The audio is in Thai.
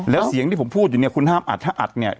แล้วเสียงที่ผมพูดอยู่เนี่ยคุณห้ามอัดถ้าอัดเนี่ย